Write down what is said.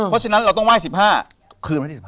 เพราะฉะนั้นเราต้องไหว้๑๕